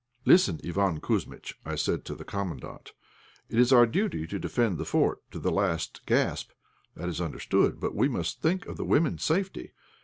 "Listen, Iván Kouzmitch," I said to the Commandant, "it is our duty to defend the fort to the last gasp, that is understood. But we must think of the women's safety.